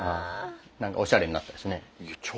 何かおしゃれになった。